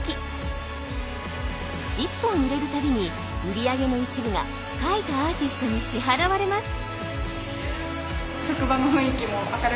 １本売れる度に売り上げの一部が描いたアーティストに支払われます。